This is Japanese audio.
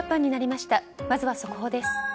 まずは速報です。